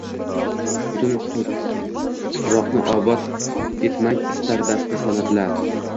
Butun tufroqni obod etmak istar dasti sanʻat-la